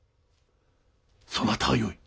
そなたはよい。